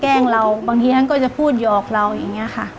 เราบางทีท่านก็จะพูดหยอกเราอย่างนี้ค่ะ